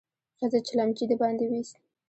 ښځې چلمچي د باندې ويست.